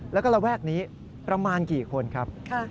แล้วก็ระแวกนี้ประมาณกี่คนครับ